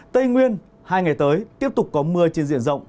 tây nguyên hai ngày tới tiếp tục có mưa trên diện rộng